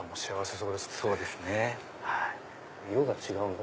そうですね。